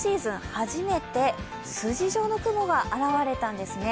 初めて筋状の雲が現れたんですね。